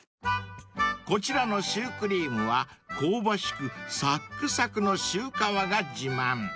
［こちらのシュークリームは香ばしくサックサクのシュー皮が自慢］